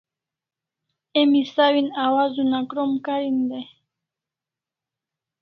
Emi sawin awazuna krom karin dai